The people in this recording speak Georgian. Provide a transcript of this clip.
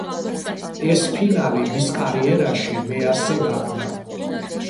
ეს ფინალი მის კარიერაში მეასე გახდა.